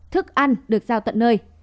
thức ăn được giao tận nơi